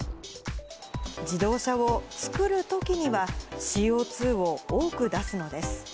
自動車を作るときには、ＣＯ２を多く出すのです。